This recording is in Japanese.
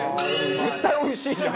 絶対おいしいじゃん。